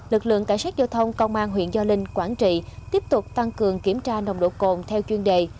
lực lượng cảnh sát giao thông công an huyện gio linh quảng trị tiếp tục tăng cường kiểm tra nồng độ cồn theo chuyên đề